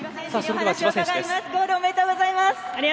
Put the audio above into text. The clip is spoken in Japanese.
ありがとうございます。